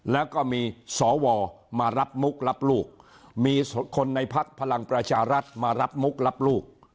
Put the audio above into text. แล้วก็มีสวมารับมุกรับลูกมีคนในพักพลังประชารัฐมารับมุกรับลูก